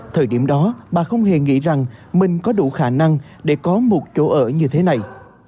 thời điểm đó bà không hề nghĩ rằng mình có đủ khả năng để có một chỗ ở như thế này